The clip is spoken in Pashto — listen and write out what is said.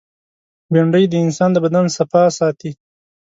بېنډۍ د انسان د بدن صفا ساتي